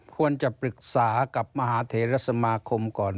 ควรจะปรึกษากับมหาเทรสมาคมก่อน